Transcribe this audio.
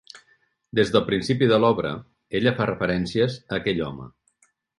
Des del principi de l'obra, ella fa referències a aquell home.